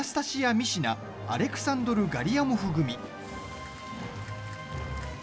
・ミシナアレクサンドル・ガリアモフ組。